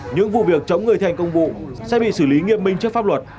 những vụ việc chống người thành công vụ sẽ bị xử lý nghiêm minh trước pháp luật